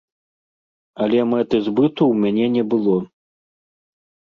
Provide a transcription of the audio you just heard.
Але мэты збыту ў мяне не было.